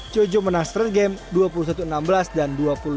jojo menang straight game dua puluh satu enam belas dan dua puluh satu lima belas